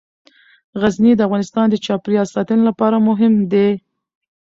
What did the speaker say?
غزني د افغانستان د چاپیریال ساتنې لپاره مهم دي.